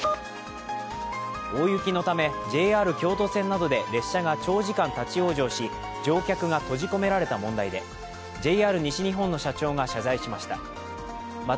大雪のため、ＪＲ京都線などで列車が長時間立往生し、乗客が閉じ込められた問題でＪＲ西日本の社長が謝罪しました。